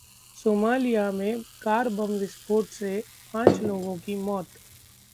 Somalia में car bomb विस्फोट से पांच लोगों की मौत